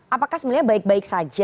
apakah sebenarnya baik baik saja